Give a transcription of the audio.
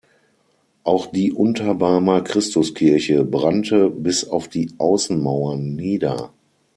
Auch die Unterbarmer Christuskirche brannte bis auf die Außenmauern nieder.